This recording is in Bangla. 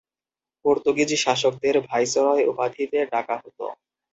পর্তুগিজ শাসকদের ভাইসরয় উপাধিতে ডাকা হত।